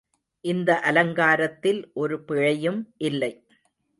இந்த அலங்காரத்தில் ஒரு பிழையும் இல்லை.